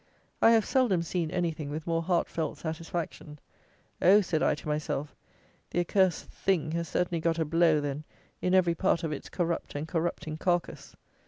I have seldom seen anything with more heartfelt satisfaction. "Oh!" said I to myself, "the accursed THING has certainly got a blow, then, in every part of its corrupt and corrupting carcass!"